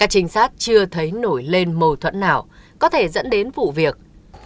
các trinh sát chưa thấy nổi lên mâu thuẫn nào có thể dẫn đến vụ việc